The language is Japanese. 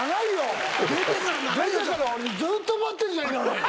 出てから俺ずっと待ってるじゃねえか。